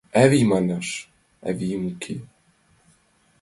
«Авий» манаш, авием уке;